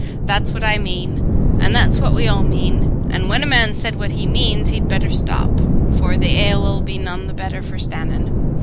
That's what I mean, an' that's what we all mean; and when a man's said what he means, he'd better stop, for th' ale 'ull be none the better for stannin'.